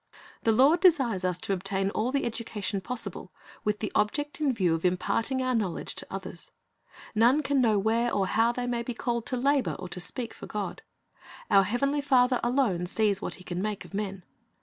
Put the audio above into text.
The Lord desires us to obtain all the education possible, with the object in view of imparting our knowledge to others. None can know where or how they may be called to labor or to speak for God. Our Heavenly Father alone sees what He can make of men.